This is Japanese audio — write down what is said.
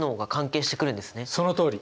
そのとおり。